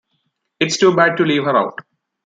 It's too bad to leave her out.